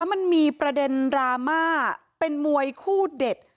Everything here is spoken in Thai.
แล้วมันมีประเด็นรามาต์เป็นมวยคู่เด็ด